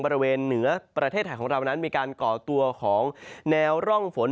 บริเวณเหนือประเทศไทยของเรานั้นมีการก่อตัวของแนวร่องฝน